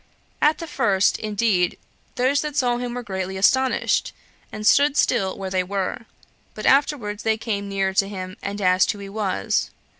At the first, indeed, those that saw him were greatly astonished, and stood still where they were; but afterward they came nearer to him, and asked him who he was.